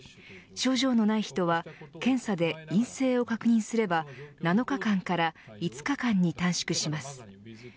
症状のない人は検査で陰性を確認すれば７日間から５日間に短縮します。